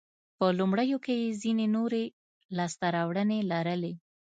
په لومړیو کې یې ځیني نورې لاسته راوړنې لرلې.